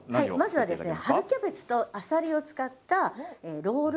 まずはですね